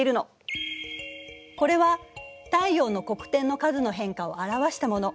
これは太陽の黒点の数の変化を表したもの。